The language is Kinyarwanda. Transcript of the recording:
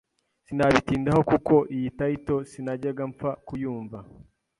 sinabitindaho kuko iyo title sinajyaga mpfa kuyumva